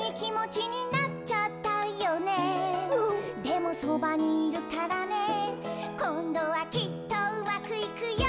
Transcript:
「でもそばにいるからねこんどはきっとうまくいくよ！」